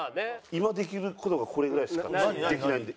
今できる事がこれぐらいしかちょっとできないんで。